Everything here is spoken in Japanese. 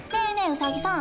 ウサギさん。